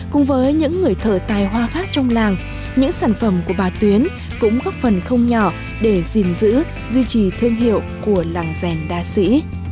cùng với những người thợ tài hoa khác trong làng những sản phẩm của bà tuyến cũng góp phần không nhỏ để gìn giữ duy trì thương hiệu của làng rèn đa sĩ